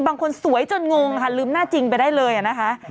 บางคนสวยจนงงค่ะลืมหน้าจริงไปได้เลยนะคะ